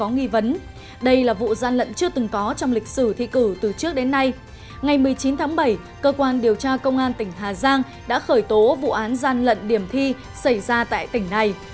ngày một mươi chín tháng bảy cơ quan điều tra công an tỉnh hà giang đã khởi tố vụ án gian lận điểm thi xảy ra tại tỉnh này